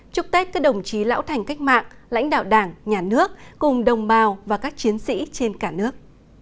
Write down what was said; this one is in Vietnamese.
chúc tết các đồng chí lão thành cách mạng lãnh đạo đảng nhà nước cùng đồng bào và các chiến sĩ trên cả nước